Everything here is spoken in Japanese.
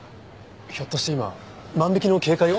ひょっとして今万引きの警戒を？